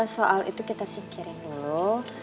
soal itu kita singkirin dulu